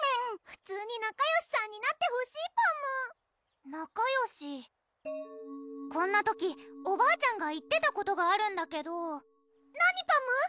普通に仲よしさんになってほしいパム仲よしこんな時おばあちゃんが言ってたことがあるんだけど何パム？